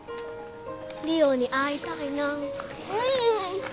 梨央に会いたいな